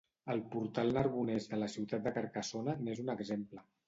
El portal Narbonés de la ciutat de Carcassona n'és un exemple.